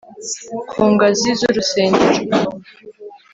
Ku ngazi zurusengero